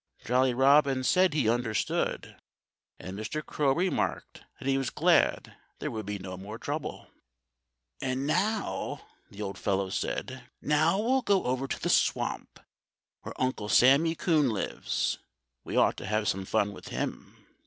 Jolly Robin said he understood. And Mr. Crow remarked that he was glad there would be no more trouble. "And now," the old fellow said, "now we'll go over to the swamp, where Uncle Sammy Coon lives. We ought to have some fun with him."